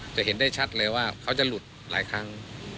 จะเห็นได้ชัดเลยว่าเขาจะหลุดหลายครั้ง